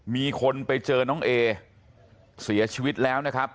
มีคนไปเจอน้องเอเสียชีวิตแล้วนะครับ